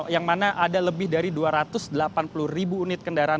yang mana ada lebih dari dua ratus delapan puluh ribu unit kendaraan